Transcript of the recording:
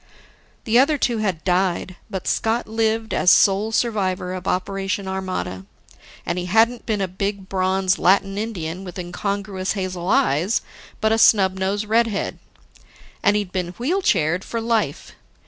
The other two had died, but Scott lived as sole survivor of Operation Armada. And he hadn't been a big, bronze, Latin Indian with incongruous hazel eyes, but a snub nosed redhead. And he'd been wheel chaired for life.